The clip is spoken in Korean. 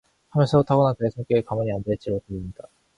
하면서도 타고난 그의 성격이 가만히 앉아 있지를 못하게 한다.